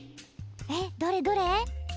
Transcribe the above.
えっどれどれ？